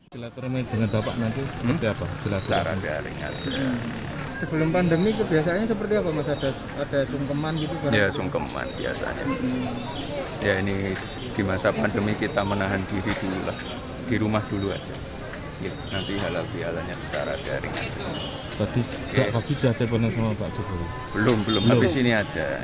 berita terkini mengenai cuaca lebat di jepang